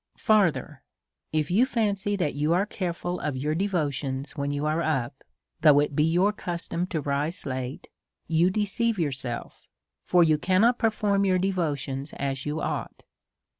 Further, if you fancy that you are careful of your devotions when you are up, though it be your custom to rise late, you deceive yourself; for you cannot per form your devotions as you ought.